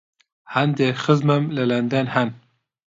هەندێک خزمم لە لەندەن هەن.